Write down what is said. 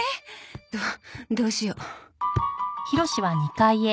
どどうしよう。